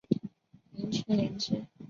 明清延之。